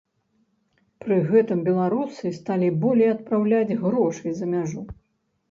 Пры гэтым беларусы сталі болей адпраўляць грошай за мяжу.